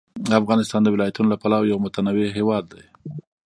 افغانستان د ولایتونو له پلوه یو متنوع هېواد دی.